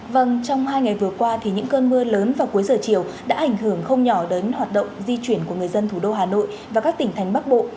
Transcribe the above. vâng trong hai ngày vừa qua thì những cơn mưa lớn vào cuối giờ chiều đã ảnh hưởng không nhỏ đến hoạt động di chuyển của người dân thủ đô hà nội và các tỉnh thành bắc bộ